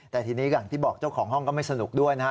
แต่ทีนี้อย่างที่บอกเจ้าของห้องก็ไม่สนุกด้วยนะฮะ